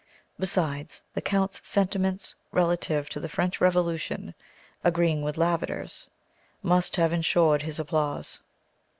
Besides, the Count's sentiments relative to the French Revolution, agreeing with Lavater's, must have ensured his applause.